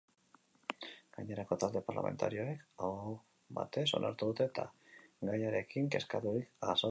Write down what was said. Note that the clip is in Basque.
Gainerako talde parlamentarioek aho batez onartu dute eta gaiarekin kezkaturik azaldu dira.